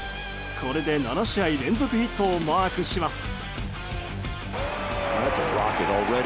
これで７試合連続ヒットをマークします。